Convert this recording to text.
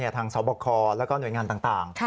ทางสวบคแล้วก็หน่วยงานต่าง